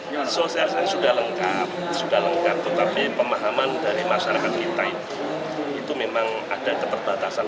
hasil saya sudah lengkap sudah lengkap tetapi pemahaman dari masyarakat kita itu itu memang ada keterbatasan